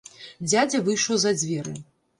Дзядзя выйшаў за дзверы.